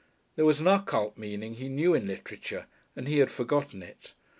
There was an occult meaning, he knew, in literature, and he had forgotten it.